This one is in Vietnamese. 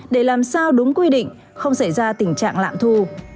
để làm sao đúng quy định không xảy ra tình trạng lạm thu